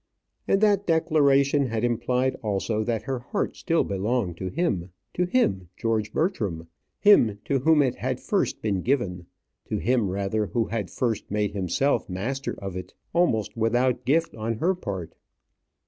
And that declaration had implied also that her heart still belonged to him to him, George Bertram him to whom it had first been given to him, rather, who had first made himself master of it almost without gift on her part.